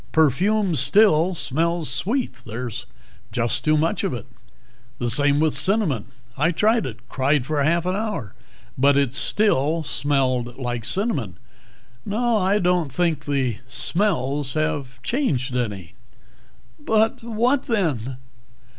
"Perfume still smells sweet there's just too much of it. The same with cinnamon; I tried it. Cried for half an hour, but it still smelled like cinnamon. No, I don't think the smells have changed any." "But what, then?"